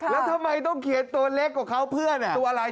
แล้วทำไมต้องเขียนตัวเล็กกว่าเขาเพื่อนตัวอะไร